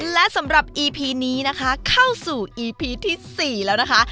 และสำหรับอีพีนี้นะคะเข้าสู่อีพีที่๔แล้วนะคะ